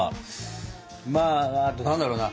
まああと何だろうな。